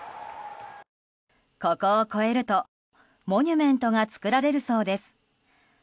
ここを越えるとモニュメントが作られるそうです。